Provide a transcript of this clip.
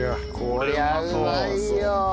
こりゃうまいよ。